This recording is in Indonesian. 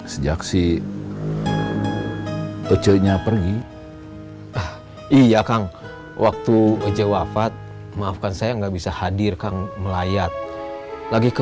sejak sih kecilnya pergi iya kang waktu aja wafat maafkan saya nggak bisa hadir kang melayat lagi ke